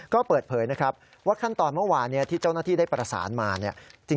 ก็เปิดเผยนะครับว่าขั้นตอนเมื่อวานที่เจ้าหน้าที่ได้ประสานมาเนี่ย